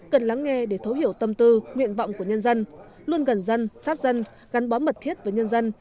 cần lắng nghe để thấu hiểu tâm tư nguyện vọng của nhân dân luôn gần dân sát dân gắn bó mật thiết với nhân dân